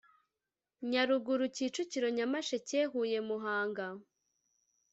nyaruguru kicukiro nyamasheke huye muhanga